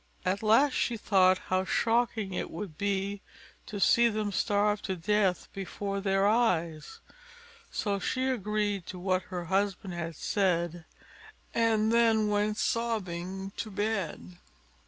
At last she thought how shocking it would be to see them starved to death before their eyes; so she agreed to what her husband had said, and then went sobbing to bed.